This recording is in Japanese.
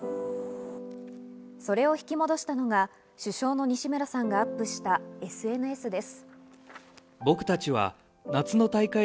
それを引き戻したのが主将の西村さんがアップしたＳＮＳです。